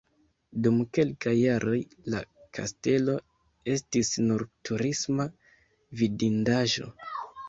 Dum kelkaj jaroj la kastelo estis nur turisma vidindaĵo.